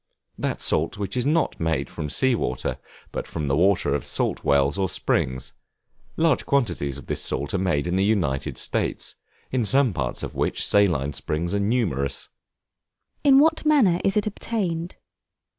That salt which is not made from sea water, but from the water of salt wells or springs; large quantities of this salt are made in the United States, in some parts of which saline springs are numerous. In what manner is it obtained?